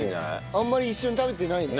あんまり一緒に食べてないね。